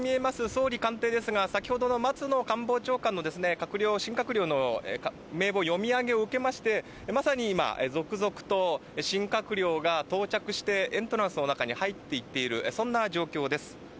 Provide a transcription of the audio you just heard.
総理官邸ですが先ほどの松野官房長官の新閣僚の名簿の読み上げを受けましてまさに今、続々と新閣僚が到着してエントランスの中に入っていっている状況です。